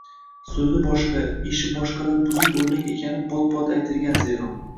So‘zi boshqa, ishi boshqalar buzuq o‘rnak ekani bot-bot aytilgan zero.